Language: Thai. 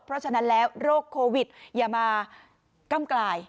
เพราะฉะนั้นแล้วโรคโควิดอย่ามากำกลาย